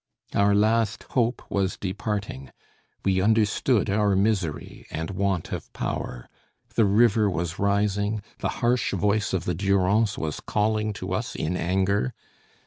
Our last hope was departing, we understood our misery and want of power. The water was rising; the harsh voice of the Durance was calling to us in anger.